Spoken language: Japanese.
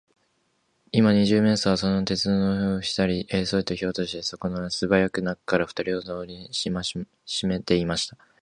今、二十面相は、その鉄のふたをひらいたのです。そして、ヒョイとそこへとびこむと、すばやく中から、ふたをもとのとおりにしめてしまいました。